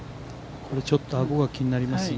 ちょっとアゴが気になりますね。